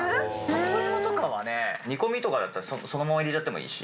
里芋とかはね煮込みとかだったらそのまま入れちゃってもいいし。